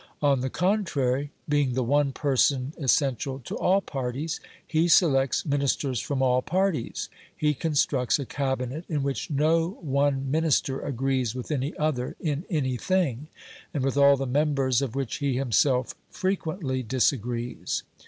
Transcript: On the contrary, being the one person essential to all parties, he selects Ministers from all parties, he constructs a Cabinet in which no one Minister agrees with any other in anything, and with all the members of which he himself frequently disagrees.